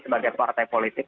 sebagai partai politik